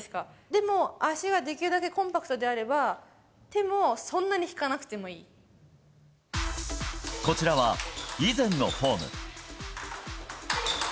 でも足ができるだけコンパクトであれば、手もそんなに引かなくてこちらは、以前のフォーム。